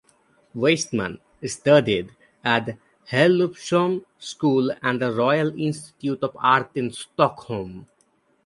Westman studied at Herlufsholm School and the Royal Institute of Art in Stockholm.